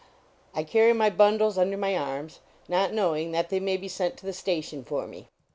I carry my bundles under my arms, not knowing that they may be sent to the station for me.